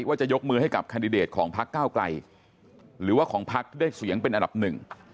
ว่าจะยกมือให้กับแคนดิเดตของพักเก้าไกลหรือว่าของพักที่ได้เสียงเป็นอันดับหนึ่ง